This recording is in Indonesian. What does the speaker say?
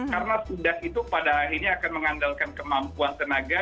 karena sidak itu pada akhirnya akan mengandalkan kemampuan tenaga